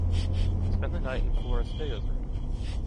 I spent the night in Florastella’s room.